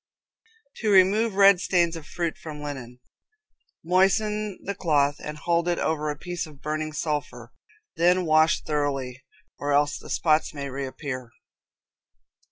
To Remove Red Stains of Fruit from Linen. Moisten the cloth and hold it over a piece of burning sulphur; then wash thoroughly, or else the spots may reappear.